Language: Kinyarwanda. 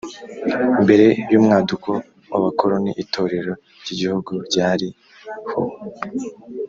mbere y’umwaduko w’abakoloni itorero ry’igihugu ryari ho